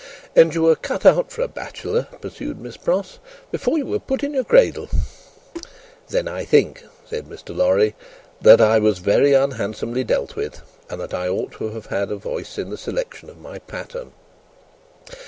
"And you were cut out for a bachelor," pursued Miss Pross, "before you were put in your cradle." "Then, I think," said Mr. Lorry, "that I was very unhandsomely dealt with, and that I ought to have had a voice in the selection of my pattern.